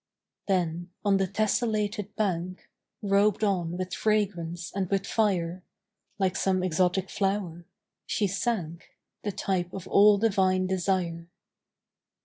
Then on the tesselated bank, Robed on with fragrance and with fire, Like some exotic flower she sank, The type of all divine desire.